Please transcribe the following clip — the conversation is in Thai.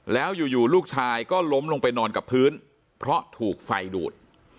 แล้วอยู่ลูกชายก็ล้มลงไปนอนกับพื้นเพราะถูกไฟดูด